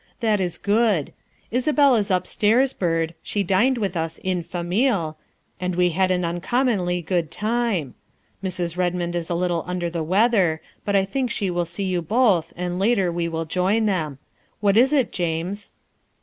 That is good. Isabel is upstairs, Byrd; she dined with us en famille, and we had an uncommonly good time. Mrs. Redmond is a little under the weather, but I think she will see you both and later we will join them. What is it, James?"